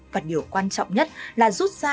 và điều quan trọng nhất là rút ra